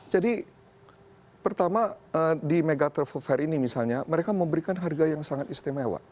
pertama di mega travel fair ini misalnya mereka memberikan harga yang sangat istimewa